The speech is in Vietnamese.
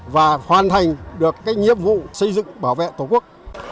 và hoàn thành được cái nhiệm vụ xây dựng bảo vệ tổ quốc